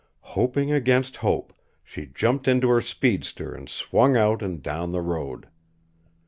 Hoping against hope, she jumped into her speedster and swung out and down the road.